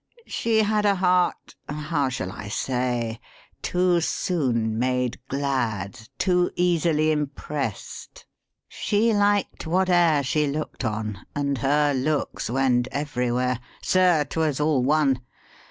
She had A heart how shall I say ? too soon made glad, Too easily impressed; she liked whate'er She looked on, and her looks went everywhere. Sir, 'twas all one!